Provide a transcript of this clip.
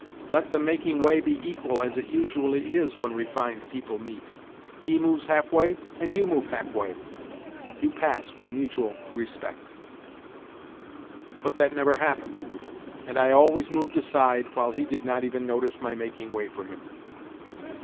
Let the making way be equal as it usually is when refined people meet : he moves half way and you move half way ; you pass with mutual respect." But that never happened, and I always moved aside, while he did not even notice my making way for him.